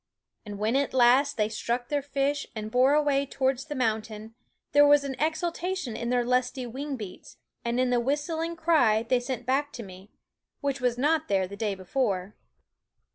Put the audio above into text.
And when at last they struck their fish and bore away towards the mountain, there was an exultation in their lusty wing beats, and in the whistling cry they sent back to me, which was not there the day before.